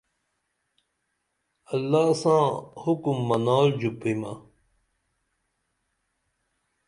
اللہ ساں حُکم منال ژوپیمہ